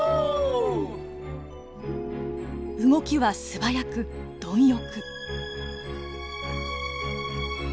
動きは素早く貪欲。